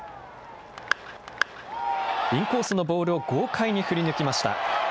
インコースのボールを豪快に振り抜きました。